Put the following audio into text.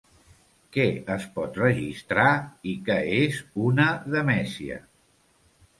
Què es pot registrar i què és una demesia?